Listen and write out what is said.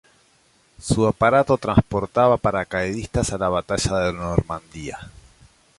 Su aparato transportaba paracaidistas a la Batalla de Normandía.